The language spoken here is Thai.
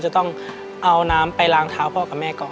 จะต้องเอาน้ำไปล้างเท้าพ่อกับแม่ก่อน